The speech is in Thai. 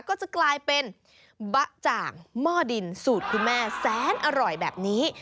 ก็จะกลายเป็นบะจ่างหม้อดินสูตรคุณแม่แสนอร่อยแบบนี้